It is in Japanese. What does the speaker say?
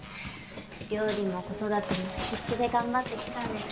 料理も子育ても必死で頑張ってきたんですが。